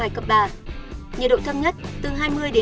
nhiệt độ thâm nhất từ hai mươi hai mươi ba độ